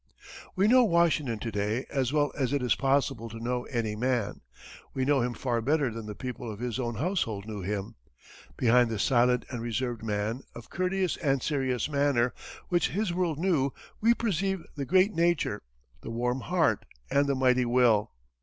We know Washington to day as well as it is possible to know any man. We know him far better than the people of his own household knew him. Behind the silent and reserved man, of courteous and serious manner, which his world knew, we perceive the great nature, the warm heart and the mighty will.